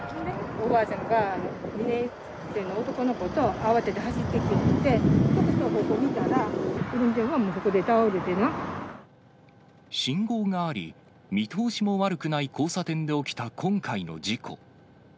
おばあちゃんが２年生の男の子と慌てて走ってきて、ここ見たら、信号があり、見通しも悪くない交差点で起きた今回の事故。